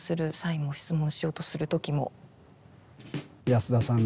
安田さん